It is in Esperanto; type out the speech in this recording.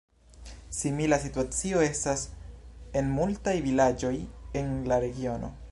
Simila situacio estas en multaj vilaĝoj en la regiono.